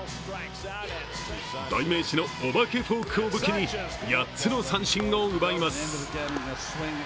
代名詞のお化けフォークを武器に８つの三振を奪います。